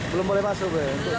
belum boleh masuk ya untuk jualan